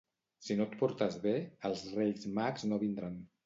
Si no et portes bé, els Reis Mags no vindran.